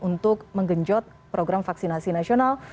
untuk menggenjot program vaksinasi nasional